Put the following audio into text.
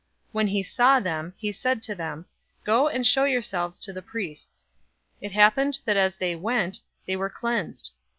017:014 When he saw them, he said to them, "Go and show yourselves to the priests." It happened that as they went, they were cleansed.